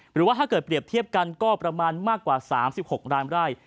หรือว่าถ้าเกิดเปรียบเทียบกันก็ประมาณมากกว่า๓๖ล้านไร่